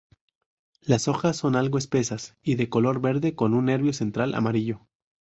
Las hojas son algo espesas y de color verde con un nervio central amarillo.